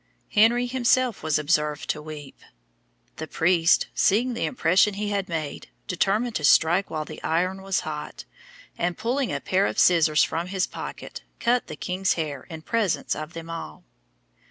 Henry himself was observed to weep. The priest, seeing the impression he had made, determined to strike while the iron was hot, and pulling a pair of scissors from his pocket, cut the king's hair in presence of them all.